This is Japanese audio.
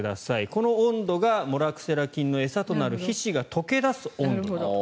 この温度がモラクセラ菌の餌となる皮脂が溶け出す温度。